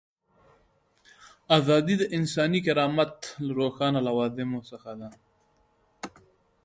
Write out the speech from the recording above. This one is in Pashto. ازادي د انساني کرامت له روښانه لوازمو څخه ده.